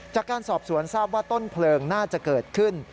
จากการสอบสวนทราบว่าต้นเพลิงน่าจะเกิดขึ้น